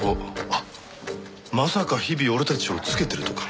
あっまさか日々俺たちをつけてるとか。